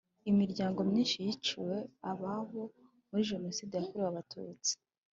Imiryango myinshi yiciwe ababo muri Jenoside yakorewe Abatutsi